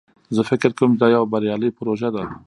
زه فکر کوم چې دا یوه بریالی پروژه ده